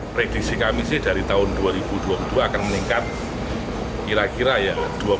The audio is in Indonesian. prediksi kami sih dari tahun dua ribu dua puluh dua akan meningkat kira kira ya dua puluh tiga puluh